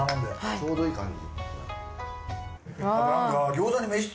ちょうどいい感じ。